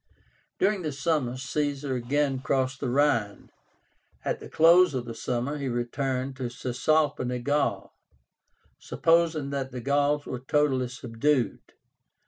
During this summer Caesar again crossed the Rhine. At the close of the summer he returned to Cisalpine Gaul, supposing that the Gauls were totally subdued.